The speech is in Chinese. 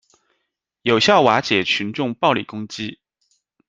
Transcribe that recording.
有效瓦解群众暴力攻击